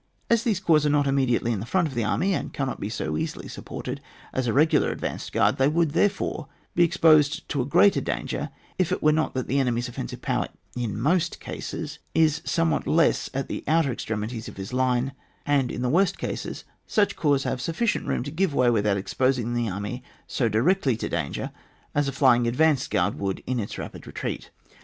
As these corps are not immediately in the front of the army, and cannot be so easily supported as a reg^ar advanced guard, they would, therefore, be exposed to greater danger if it was not that the enemy's offensive power in most cases is somewhat less at the outer extremities of his line, and in the worst cases such corps have sufficient room to give way without exposing the army so directly to danger as a flying advanced guard would in its rapid retreat.